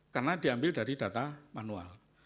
karena diambil dari data manual